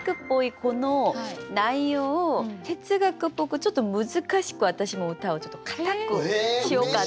この内容を哲学っぽくちょっと難しく私も歌をちょっと堅くしようかな。